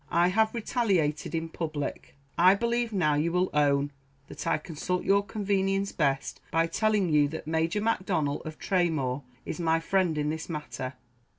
I have retaliated in public. I believe now you will own that I consult your convenience best by telling you that Major Macdonnel, of Tramore, is my friend in this matter.